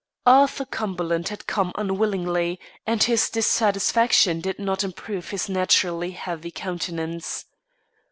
Arthur Cumberland had come unwillingly, and his dissatisfaction did not improve his naturally heavy countenance.